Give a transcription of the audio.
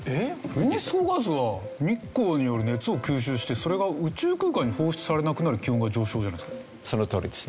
温室効果ガスが日光による熱を吸収してそれが宇宙空間に放出されなくなり気温が上昇じゃないですか？